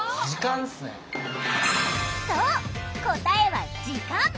そう答えは「時間」！